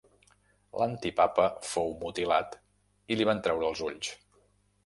L'antipapa fou mutilat i li van treure els ulls.